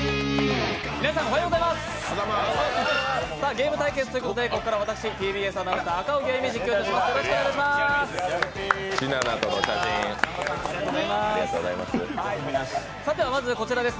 ゲーム対決ということでここからは私、ＴＢＳアナウンサー、赤荻歩、実況いたします、よろしくお願いします。